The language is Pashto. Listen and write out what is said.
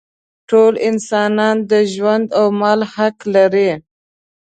ټول انسانان د ژوند او مال حق لري.